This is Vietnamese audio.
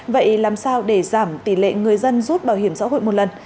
vậy làm sao để giảm tỷ lệ người dân rút bảo hiểm xã hội một lần